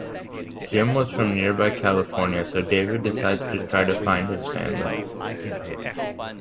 Jim was from nearby California, so David decides to try to find his family.